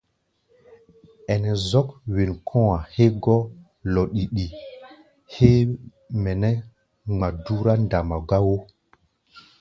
Ɛnɛ zɔ́k wen kɔ̧́-a̧ hégɔ́ lɔdidi héé mɛ nɛ́ ŋma dúrá ndamba ga wo.